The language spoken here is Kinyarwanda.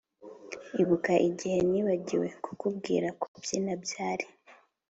ibuka igihe nibagiwe kukubwira kubyina byari